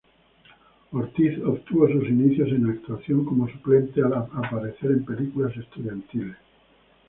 Ortiz obtuvo sus inicios en actuación como suplente al aparecer en películas estudiantiles.